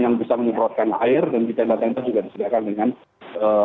yang bisa membantu meningginkan seluruh tanda tanda yang anda saksikan memang di belakang sana